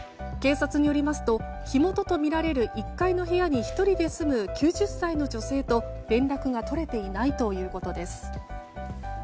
警察によりますと火元とみられる１階の部屋に１人で住む９０歳の女性と連絡が取れていないということです。